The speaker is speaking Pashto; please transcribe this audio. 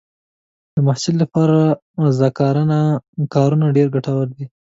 د محصل لپاره رضاکارانه کارونه ډېر ګټور دي.